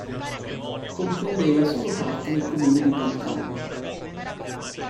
Comprendeva solo parte del comune di Pantin.